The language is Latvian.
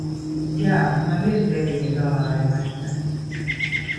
Jā. Man ir deviņi dolāri, maita!